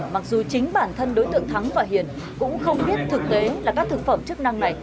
mặc dù chính bản thân đối tượng thắng và hiền cũng không biết thực tế là các thực phẩm chức năng này